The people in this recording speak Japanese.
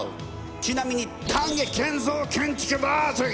ちなみに丹下健三建築だ！